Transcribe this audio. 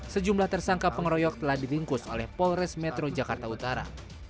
sejumlah tersangka pengeroyok telah diringkus oleh polres metro jakarta utara